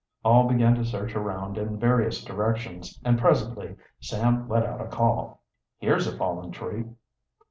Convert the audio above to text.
All began to search around in various directions, and presently Sam let out a call. "Here's a fallen tree!"